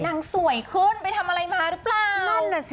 นางสวยขึ้นไปทำอะไรมาหรือเปล่า